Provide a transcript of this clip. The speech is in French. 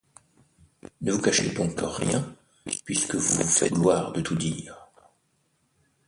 Ne nous cachez donc rien, puisque vous vous faites gloire de tout dire.